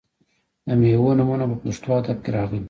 د میوو نومونه په پښتو ادب کې راغلي.